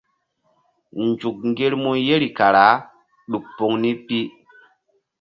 Nzuk ŋgermu yeri kara ɗuk poŋ ni pi.